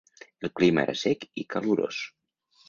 El clima era sec i calorós.